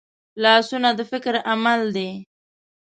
لاسونه د فکر عمل دي